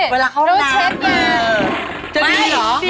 เวลาเข้ารองน้ำ